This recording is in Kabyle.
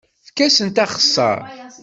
Efk-asent axeṣṣar.